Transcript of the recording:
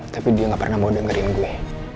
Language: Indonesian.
tapi dia gak pernah mau dengerin gue